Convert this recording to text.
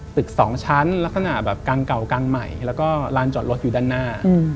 ตึกสองชั้นลักษณะแบบกลางเก่ากลางใหม่แล้วก็ลานจอดรถอยู่ด้านหน้า